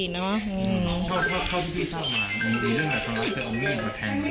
เท่าที่พี่สร้างมาอีกเรื่องแบบพระอาทิตย์เอามีดมาแทงหรือเปล่า